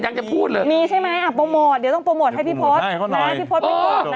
ยังจะพูดเลยมีใช่ไหมอ่ะโปรโมทเดี๋ยวต้องโปรโมทให้พี่พศให้ก็น้อย